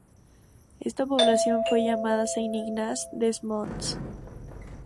Esta población fue llamada Saint-Ignace-des-Monts.